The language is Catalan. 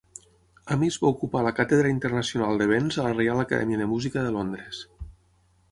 Amis va ocupar la Càtedra Internacional de Vents a la Reial Acadèmia de Música de Londres.